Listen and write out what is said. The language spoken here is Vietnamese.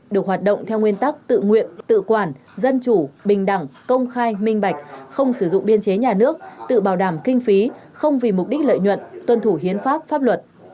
được hoạt động theo nguyên tắc tự nguyện tự quản dân chủ bình đẳng công khai minh bạch không sử dụng biên chế nhà nước tự bảo đảm kinh phí không vì mục đích lợi nhuận tuân thủ hiến pháp pháp luật